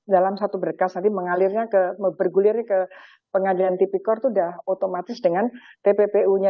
dalam satu berkas tadi mengalirnya bergulirnya ke pengadilan tipikor itu sudah otomatis dengan tppu nya